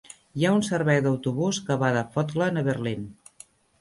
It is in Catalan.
Hi ha un servei d'autobús que va de Vogtland a Berlín.